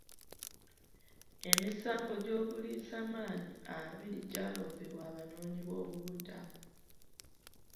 Emisango gy'obulisamaanyi abiri gya loopebwa Abanoonyi boobubudamu.